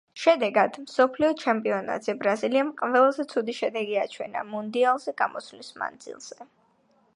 შედეგად მსოფლიო ჩემპიონატზე ბრაზილიამ ყველაზე ცუდი შედეგი აჩვენა მუნდიალზე გამოსვლის მანძილზე.